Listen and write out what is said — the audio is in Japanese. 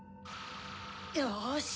よし！